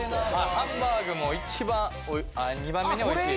ハンバーグも一番あ二番目においしい。